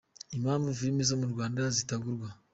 Impamvu film zo mu Rwanda zitagurwa.